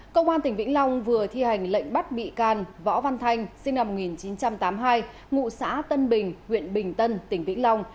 công an tỉnh vĩnh long vừa thi hành lệnh bắt bị can võ văn thanh sinh năm một nghìn chín trăm tám mươi hai ngụ xã tân bình huyện bình tân tỉnh vĩnh long